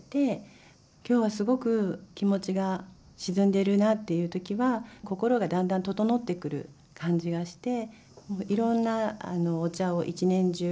きょうはすごく気持ちが沈んでるなっていう時は心がだんだん整ってくる感じがして。